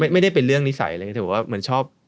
ไม่ได้เป็นเรื่องนิสัยเลยถือว่าเหมือนชอบ